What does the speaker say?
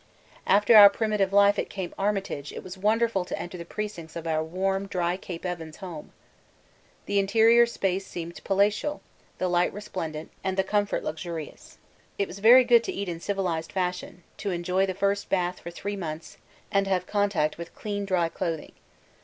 After our primitive life at Cape Armitage it was wonderful to enter the precincts of our warm, dry Cape Evans home. The interior space seemed palatial, the light resplendent, and the comfort luxurious. It was very good to eat in civilised fashion, to enjoy the first bath for three months, and have contact with clean, dry clothing.